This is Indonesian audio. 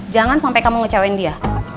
jangan sampai kamu ngecewain dia